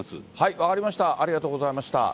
分かりました、ありがとうございました。